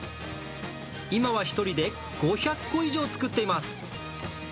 今は１人で５００個以上作っています。